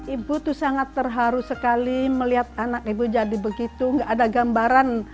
ibu tuh sangat terharu sekali melihat anak ibu jadi begitu nggak ada gambaran